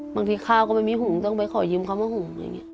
บางทีข้าวก็ไม่มีหุ่นต้องไปขอยิ้มเขามาหุ่น